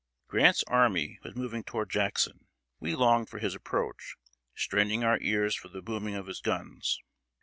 Grant's army was moving toward Jackson. We longed for his approach, straining our ears for the booming of his guns.